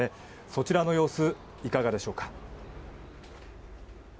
そちらの様子、いかがでしょうか。